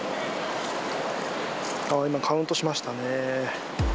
今、カウントしましたね。